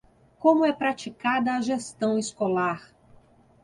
Como é praticada a gestão escolar